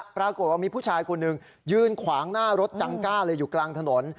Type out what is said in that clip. ปรากฏว่ามีผู้ชายคนหนึ่งยืนขวางหน้ารถจังกล้าเลยอยู่กลางถนน